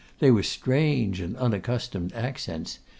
They were strange and unaccustomed accents.